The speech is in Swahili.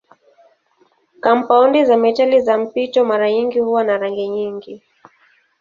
Kampaundi za metali za mpito mara nyingi huwa na rangi nyingi.